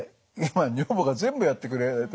今女房が全部やってくれてますね。